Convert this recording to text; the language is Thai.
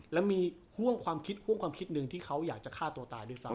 แล้วมีห่วงความคิดห่วงความคิดหนึ่งที่เขาอยากจะฆ่าตัวตายด้วยซ้ำ